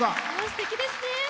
すてきですね！